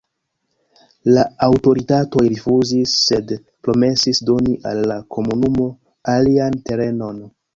La aŭtoritatoj rifuzis, sed promesis doni al la komunumo alian terenon.